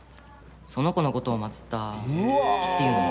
その子のことを祭った碑っていうの？